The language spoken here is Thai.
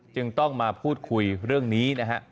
จึงต้องมาพูดคุยเรื่องนี้นะฮะ